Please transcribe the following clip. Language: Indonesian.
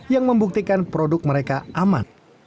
yang membuktikan produk mereka aman